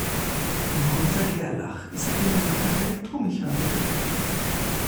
Gunter Gerlach ist gelernter Elektromechaniker.